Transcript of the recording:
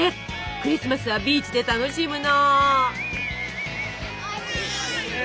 クリスマスはビーチで楽しむの！